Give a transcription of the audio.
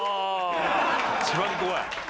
一番怖い。